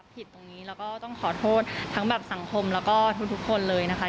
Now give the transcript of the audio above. ตรงนี้แล้วก็ต้องขอโทษทั้งแบบสังคมแล้วก็ทุกคนเลยนะคะ